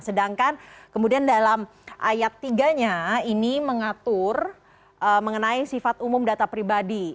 sedangkan kemudian dalam ayat tiga nya ini mengatur mengenai sifat umum data pribadi